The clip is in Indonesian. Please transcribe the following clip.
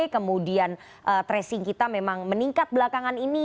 kemudian tracing kita memang meningkat belakangan ini